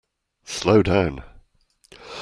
Slow down!